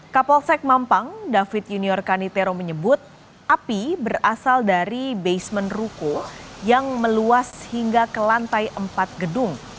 kapolsek mampang david junior kanitero menyebut api berasal dari basement ruko yang meluas hingga ke lantai empat gedung